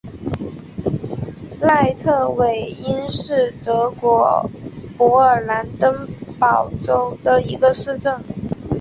赖特韦因是德国勃兰登堡州的一个市镇。